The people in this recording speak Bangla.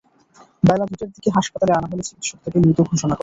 বেলা দুইটার দিকে হাসপাতালে আনা হলে চিকিৎসক তাঁকে মৃত ঘোষণা করেন।